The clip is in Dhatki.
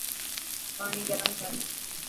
پاڻي گرم ڪر.